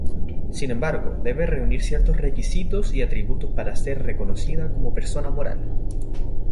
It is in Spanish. Sin embargo debe reunir ciertos requisitos y atributos para ser reconocida como persona moral.